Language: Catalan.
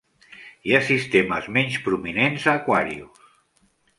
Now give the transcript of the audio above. Hi ha sistemes menys prominents a Aquarius.